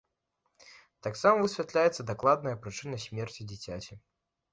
Таксама высвятляецца дакладная прычына смерці дзіцяці.